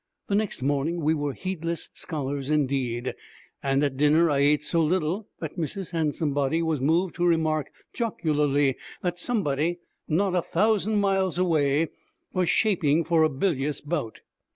The next morning we were heedless scholars indeed, and at dinner I ate so little that Mrs. Handsomebody was moved to remark jocularly that somebody not a thousand miles away was shaping for a bilious bout.